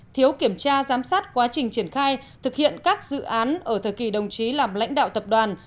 thiếu kiểm tra giám sát quá trình triển khai thực hiện các dự án ở thời kỳ đồng chí làm lãnh đạo tập đoàn